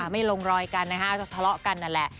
ไม่ลงรอยกันนะคะจะทะเลาะกันนั่นแหละ